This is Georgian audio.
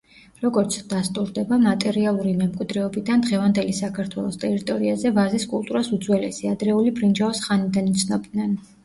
როგორც დასტურდება მატერიალური მემკვიდრეობიდან, დღევანდელი საქართველოს ტერიტორიაზე ვაზის კულტურას უძველესი, ადრეული ბრინჯაოს ხანიდან იცნობდნენ.